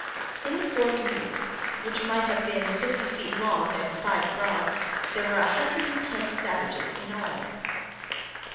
In the four canoes, which might have been fifty feet long and five broad, there were a hundred and ten savages in all.